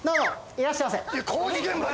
いらっしゃいませ。